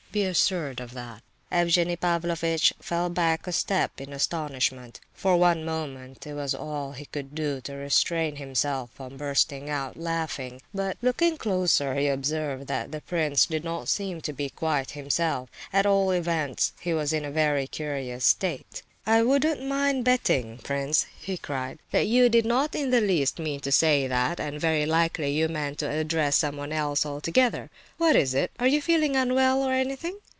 Be assured of that." Evgenie Pavlovitch fell back a step in astonishment. For one moment it was all he could do to restrain himself from bursting out laughing; but, looking closer, he observed that the prince did not seem to be quite himself; at all events, he was in a very curious state. "I wouldn't mind betting, prince," he cried, "that you did not in the least mean to say that, and very likely you meant to address someone else altogether. What is it? Are you feeling unwell or anything?"